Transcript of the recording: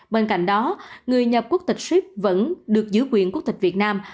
bên cạnh đó người nhập quốc tịch ship vẫn được giữ quyền quốc tịch việt nam